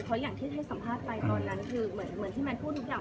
เพราะอย่างที่ให้สัมภาษณ์ไปตอนนั้นคือเหมือนที่แมทพูดทุกอย่าง